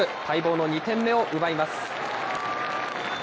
待望の２点目を奪います。